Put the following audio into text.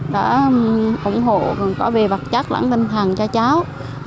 đã ủng hộ có về bạc chắc lãng tinh thần cho cháu